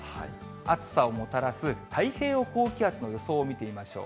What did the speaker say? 暑さをもたらす太平洋高気圧の予想を見てみましょう。